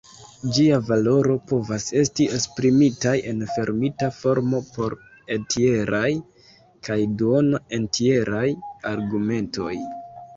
Ĝia valoro povas esti esprimitaj en fermita formo por entjeraj kaj duono-entjeraj argumentoj.